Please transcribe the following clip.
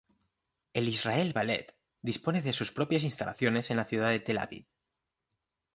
El Israel Ballet dispone de sus propias instalaciones en la ciudad de Tel Aviv.